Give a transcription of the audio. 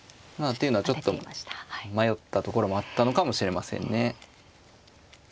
というのはちょっと迷ったところもあったのかもしれませんね。